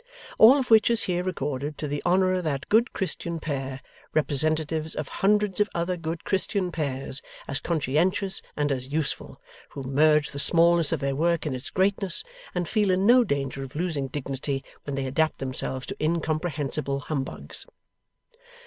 All of which is here recorded to the honour of that good Christian pair, representatives of hundreds of other good Christian pairs as conscientious and as useful, who merge the smallness of their work in its greatness, and feel in no danger of losing dignity when they adapt themselves to incomprehensible humbugs.